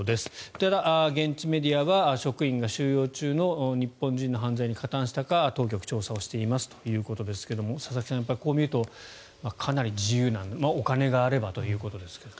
ただ、現地メディアは職員が収容中の日本人の犯罪に加担したか当局が調査をしていますということですが佐々木さん、こう見るとかなり自由なお金があればということですが。